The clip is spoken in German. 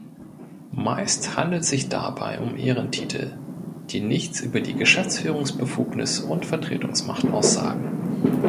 Meist handelt sich dabei um Ehrentitel, die nichts über die Geschäftsführungsbefugnis und Vertretungsmacht aussagen.